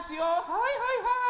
はいはいはい。